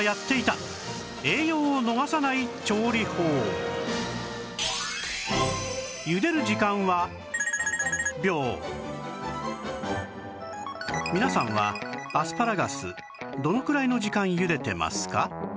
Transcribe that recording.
続いては皆さんはアスパラガスどのくらいの時間ゆでてますか？